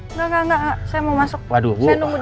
enggak enggak enggak saya mau masuk saya nunggu di dalam aja